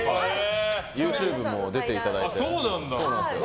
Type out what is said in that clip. ＹｏｕＴｕｂｅも出ていただいて。